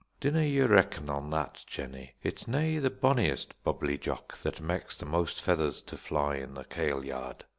"Dinna ye reckon on that, Jennie; it's nae the bonniest Bubbly Jock that mak's the most feathers to fly in the kailyard.